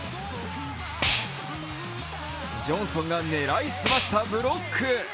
ジョンソンが狙いすましたブロック。